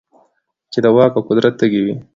چـې د واک او قـدرت تـېږي وي .